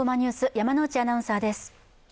山内アナウンサーです。